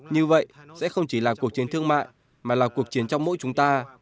như vậy sẽ không chỉ là cuộc chiến thương mại mà là cuộc chiến trong mỗi chúng ta